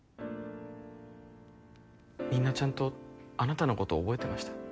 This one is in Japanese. みんなちゃんとあなたのことを覚えてました。